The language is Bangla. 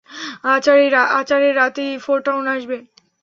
আচারের রাতেই ফোরটাউন আসবে?